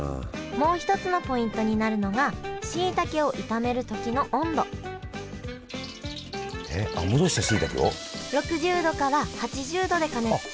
もう一つのポイントになるのがしいたけを炒める時の温度えっ戻したしいたけを？